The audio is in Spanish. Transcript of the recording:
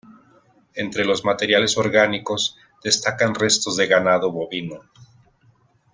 Entre los materiales orgánicos destacan restos de ganado bovino.